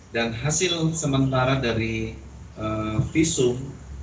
dan hasil sementara dari visum